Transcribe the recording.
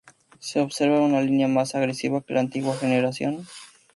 Se observa una línea más agresiva que la antigua generación.